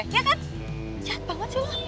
jahat banget sih lo